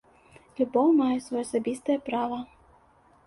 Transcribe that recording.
Любоў мае сваё асабістае права.